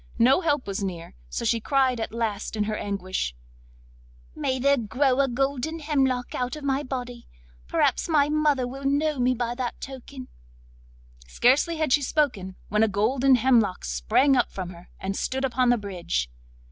No help was near, so she cried at last in her anguish: 'May there grow a golden hemlock out of my body! perhaps my mother will know me by that token.' Scarcely had she spoken when a golden hemlock sprang up from her, and stood upon the bridge.